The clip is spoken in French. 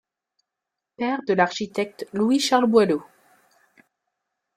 Père de l'architecte Louis-Charles Boileau.